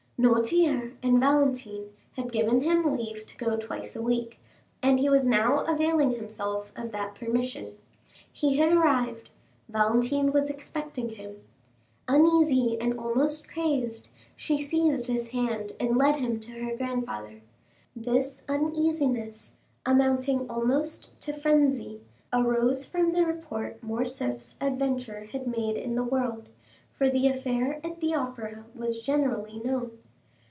Noirtier and Valentine had given him leave to go twice a week, and he was now availing himself of that permission. He arrived; Valentine was expecting him. Uneasy and almost crazed, she seized his hand and led him to her grandfather. This uneasiness, amounting almost to frenzy, arose from the report Morcerf's adventure had made in the world, for the affair at the Opera was generally known.